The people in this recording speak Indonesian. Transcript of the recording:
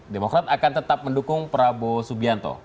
demokrat akan tetap mendukung prabowo subianto